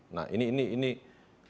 nah ini bagian dari tugas kami